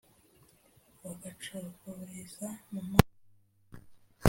bagacururiza mu mazi meza